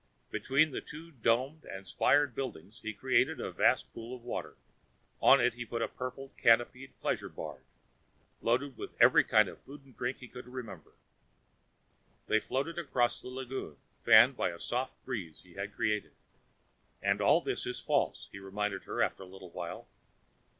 Between two domed and spired buildings he created a vast pool of water; on it he put a purple canopied pleasure barge, loading it with every kind of food and drink he could remember. They floated across the lagoon, fanned by the soft breeze he had created. "And all this is false," he reminded her after a little while.